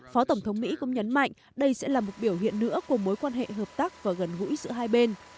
phó tổng thống mỹ cũng nhấn mạnh đây sẽ là một biểu hiện nữa của mối quan hệ hợp tác và gần gũi giữa hai bên